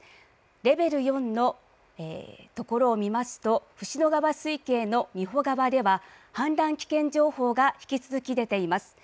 レベル４の所を見ますと椹野川水系の仁保川では氾濫危険情報が引き続き出ています。